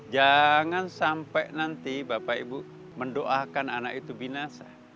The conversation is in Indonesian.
jangan sampai nanti bapak ibu mendoakan anak itu binasa